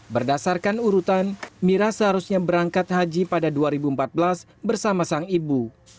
berdasarkan urutan mira seharusnya berangkat haji pada dua ribu empat belas bersama sang ibu